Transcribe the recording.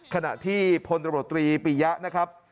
ขณะที่พลตบรับโทษภักดิ์ปียะ